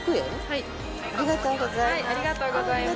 ありがとうございます。